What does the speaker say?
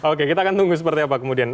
oke kita akan tunggu seperti apa kemudian